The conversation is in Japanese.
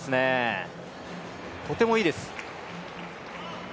とても、いいです。